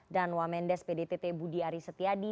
dan wamendes pdtt budiari setiadi